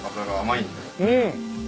うん。